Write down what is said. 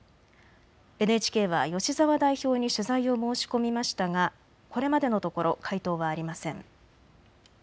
ＮＨＫは吉澤代表に取材を申し込みましたがこれまでのところ回答はありません。